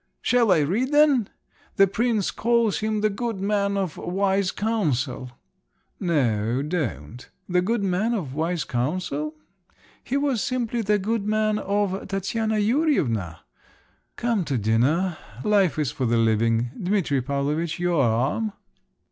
"Shall I read them? The prince calls him the good man of wise counsel." "No, don't. The good man of wise counsel? He was simply the goodman of Tatiana Yurevna. Come to dinner. Life is for the living. Dimitri Pavlovitch, your arm."